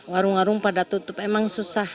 warung warung pada tutup emang susah